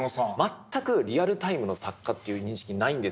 全くリアルタイムの作家という認識ないんですよ。